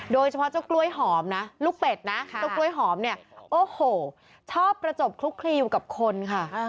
เจ้ากล้วยหอมนะลูกเป็ดนะเจ้ากล้วยหอมเนี่ยโอ้โหชอบประจบคลุกคลีอยู่กับคนค่ะ